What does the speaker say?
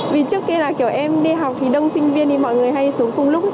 vì trước kia là kiểu em đi học thì đông sinh viên thì mọi người hay xuống cùng lúc